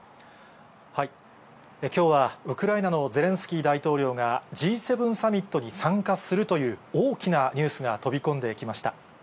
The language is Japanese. きょうはウクライナのゼレンスキー大統領がＧ７サミットに参加するという大きなニュースが飛び込んできました。